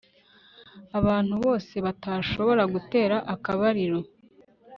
abantu bose batashobora.guutera akabariro